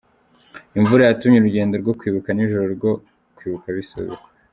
Imvura yatumye urugendo rwo kwibuka n’ijoro ryo kwibuka bisubikwa.